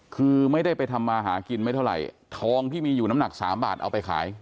คือไม่ได้ไปทำมาหากินไม่เท่าไหร่ทองที่มีอยู่น้ำหนักสามบาทเอาไปขาย